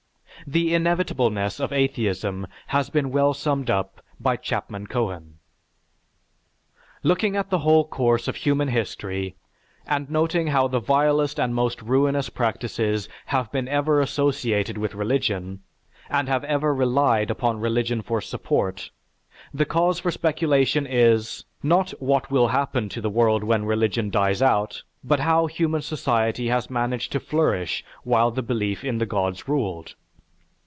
The inevitableness of atheism has been well summed up by Chapman Cohen: "Looking at the whole course of Human History, and noting how the vilest and most ruinous practices have been ever associated with religion, and have ever relied upon religion for support, the cause for speculation is, not what will happen to the world when religion dies out, but how human society has managed to flourish while the belief in the Gods ruled....